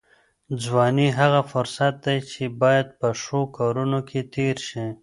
ځواني هغه فرصت دی چې باید په ښو کارونو کې تېر شي.